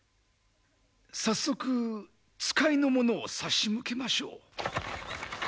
早速使いの者を差し向けましょう。